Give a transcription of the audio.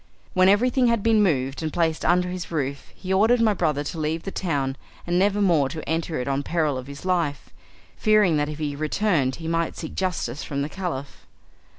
When everything had been moved and placed under his roof he ordered my brother to leave the town and never more to enter it on peril of his life, fearing that if he returned he might seek justice from the Caliph.